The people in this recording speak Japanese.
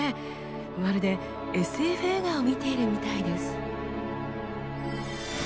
まるでＳＦ映画を見ているみたいです。